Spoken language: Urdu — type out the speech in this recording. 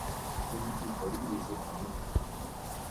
ان کی بڑی عزت بنی۔